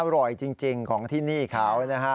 อร่อยจริงของที่นี่เขานะฮะ